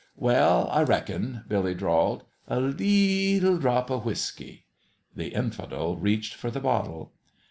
"Well, I reckon," Billy drawled. "A lee ee eetle drop o' whiskey." The Infidel reached for the bottle.